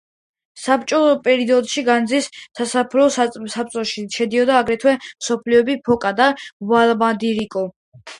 საბჭოთა პერიოდში განძანის სასოფლო საბჭოში შედიოდა აგრეთვე სოფლები ფოკა და ვლადიმიროვკა.